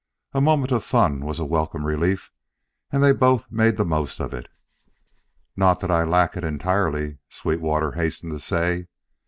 A moment of fun was a welcome relief, and they both made the most of it. "Not that I lack it entirely," Sweetwater hastened to say.